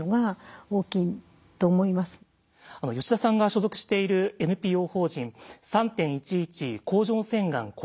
吉田さんが所属しているＮＰＯ法人３・１１甲状腺がん子ども基金